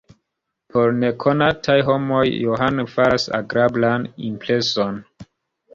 Por nekonataj homoj Johan faras agrablan impreson.